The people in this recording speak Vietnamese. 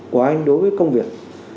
của anh đối với công việc